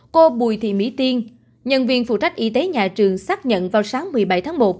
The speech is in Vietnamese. cô bùi thị mỹ tiên nhân viên phụ trách y tế nhà trường xác nhận vào sáng một mươi bảy tháng một